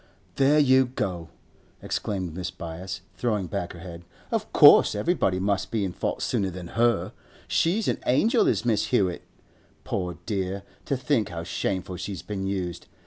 'There you go!' exclaimed Mrs. Byass, throwing back her head. 'Of course everybody must be in fault sooner than her! She's an angel is Miss Hewett! Poor dear! to think how shameful she's been used!